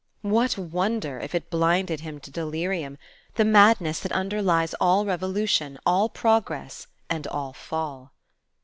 What wonder, if it blinded him to delirium, the madness that underlies all revolution, all progress, and all fall?